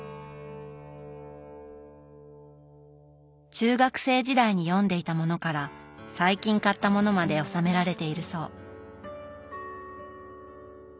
中学生時代に読んでいたものから最近買ったものまで収められているそう。